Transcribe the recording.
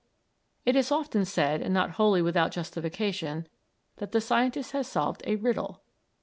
It is often said, and not wholly without justification, that the scientist has solved a riddle.